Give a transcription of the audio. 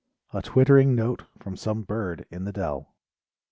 A twittering note from some bird in the dell.